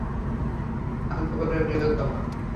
আলতো করে, প্রিয়তমা।